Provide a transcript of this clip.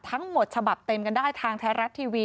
ทั้งหมดฉบับเต็มกันได้ทางไทยรัฐทีวี